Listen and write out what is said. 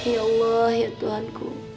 ya allah ya tuhan ku